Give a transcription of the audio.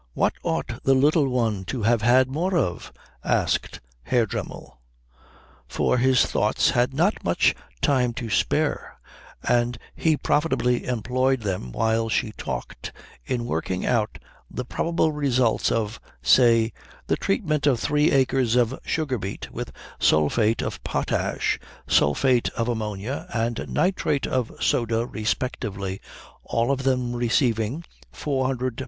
"What ought the Little One to have had more of?" asked Herr Dremmel; for his thoughts had not much time to spare, and he profitably employed them while she talked in working out the probable results of, say, the treatment of three acres of sugar beet with sulphate of potash, sulphate of ammonia, and nitrate of soda respectively, all of them receiving 400 lbs.